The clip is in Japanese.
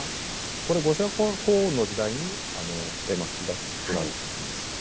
これ後白河法皇の時代に絵巻が作られたんですよね。